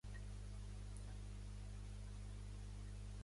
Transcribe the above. El aigua és un bé escàs essencial per garantir la sostenibilitat del medi ambient